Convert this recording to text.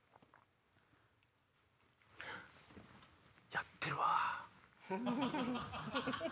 やってるわ。